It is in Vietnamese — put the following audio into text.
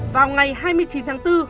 vào ngày hai mươi chín tháng bốn